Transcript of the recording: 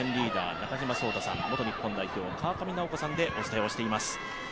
中島颯太さん、元日本代表・川上直子さんでお伝えしております。